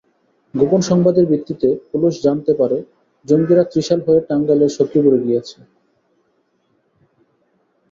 গোপন সংবাদের ভিত্তিতে পুলিশ জানতে পারে জঙ্গিরা ত্রিশাল হয়ে টাঙ্গাইলের সখিপুর গিয়েছে।